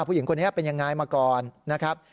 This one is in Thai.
ผู้หญิงคนนี้เป็นยังไงมาก่อนนะครับ